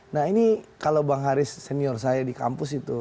nah ini kalau bang haris senior saya di kampus itu